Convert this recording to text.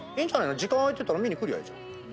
時間空いてたら見に来りゃいい。